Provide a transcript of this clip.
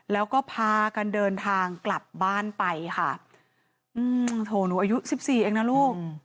แล้วก็พากันเดินทางกลับบ้านไปค่ะอืมโถหนูอายุสิบสี่เองนะลูก